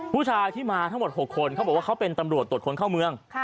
ผู้ชายที่มาทั้งหมด๖คนเขาบอกว่าเขาเป็นตำรวจตรวจคนเข้าเมือง